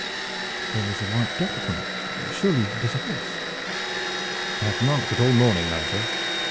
"There is a white dot upon it. Surely it is a horse." "I have marked it all morning, Nigel.